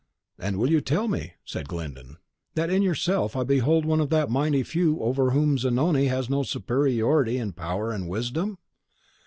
"And will you tell me," said Glyndon, "that in yourself I behold one of that mighty few over whom Zanoni has no superiority in power and wisdom?"